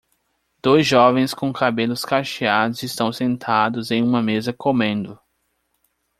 Dois jovens com cabelos cacheados estão sentados em uma mesa comendo